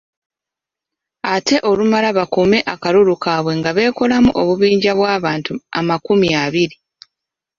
Ate olumala bakuume akalulu kaabwe nga beekolamu obubinja bw'abantu amakumi abiri.